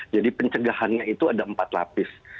jadi pencegahannya itu ada empat lapis